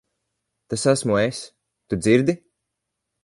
Tas esmu es. Tu dzirdi?